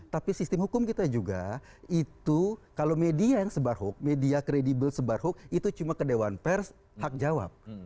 tapi sistem hukum kita juga itu kalau media yang sebar hoax media kredibel sebar hoax itu cuma kedewan pers hak jawab